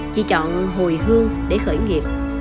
chỉ chọn hồi hương để khởi nghiệp